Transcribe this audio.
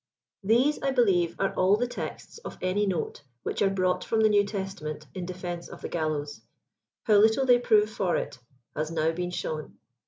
These, I believe, are all the texts of any note which are brought from the New Testament, in defense of the gallows. How little they prove for it, has now been shown.